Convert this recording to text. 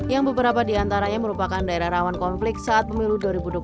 yang beberapa diantaranya merupakan daerah rawan konflik saat pemilu dua ribu dua puluh